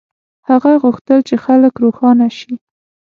هغه غوښتل چې خلک روښانه شي.